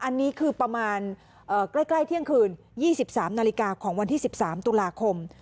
อันนี้คือประมาณเอ่อใกล้เที่ยงคืนยี่สิบสามนาฬิกาของวันที่สิบสามตุลาคม